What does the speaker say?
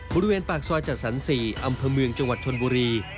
บริเวณปากซอยจัดสรร๔อำเภอเมืองจังหวัดชนบุรี